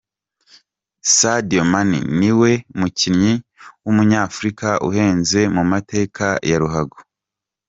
Sadio Mane ni we mukinnyi w’Umunyafurika uhenze mu mateka ya ruhago.